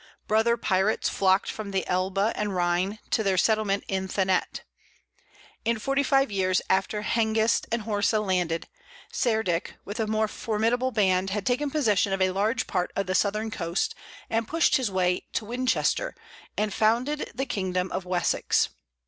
Brother pirates flocked from the Elbe and Rhine to their settlement in Thanet. In forty five years after Hengist and Horsa landed, Cerdic with a more formidable band had taken possession of a large part of the southern coast, and pushed his way to Winchester and founded the kingdom of Wessex.